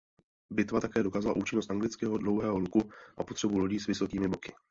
Bitva také dokázala účinnost anglického dlouhého luku a potřebu lodí s vysokými boky.